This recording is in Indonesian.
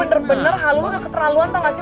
lo bener bener hal lo gak keterlaluan tau gak sih